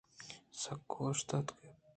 سگ ءِ اِشتاپ